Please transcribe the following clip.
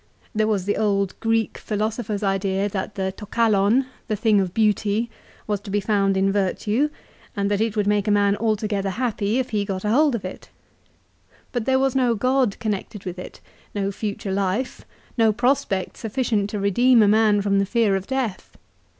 There was the old Greek philosopher's idea that the TO Ka\6v, the thing of beauty, was to be found in virtue, and that it would make a man altogether happy if he got a hold of it. But there was no God connected with it, no future life, no prospect sufficient to redeem a man from the fear of death.